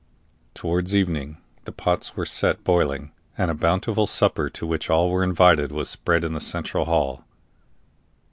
Towards evening the pots were set boiling, and a bountiful supper, to which all were invited, was spread in the central hall.